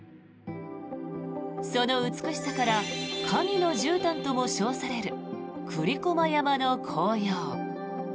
その美しさから神のじゅうたんとも称される栗駒山の紅葉。